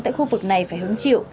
tại khu vực này phải hứng chịu